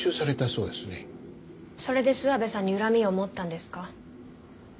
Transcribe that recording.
それで諏訪部さんに恨みを持ったんですか？